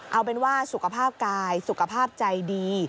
เอาเป็นว่าสุขภาพกายสุขภาพใจดี